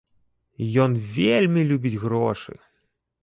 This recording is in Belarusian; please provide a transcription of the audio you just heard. Ён вельмі любіць грошы.